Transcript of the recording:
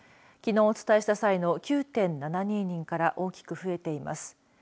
きのうお伝えした際の９．７２人から大きく増えています。